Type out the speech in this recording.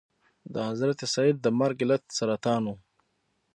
د حضرت سید د مرګ علت سرطان و.